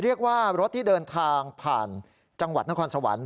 เรียกว่ารถที่เดินทางผ่านจังหวัดนครสวรรค์